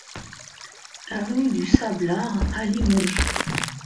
Avenue du Sablard à Limoges